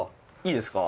いいですか？